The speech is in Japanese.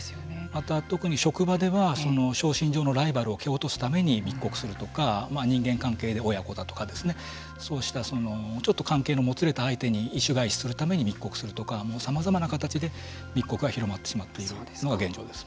また特に職場では昇進上のライバルを蹴落とすために密告するとか人間関係で親子だとかそうしたちょっと関係のもつれた相手に意趣返しするために密告するとかさまざまな形で密告が広まってしまっているのが現状です。